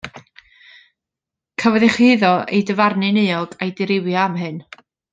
Cafodd ei chyhuddo, ei dyfarnu'n euog a'i dirwyo am hyn.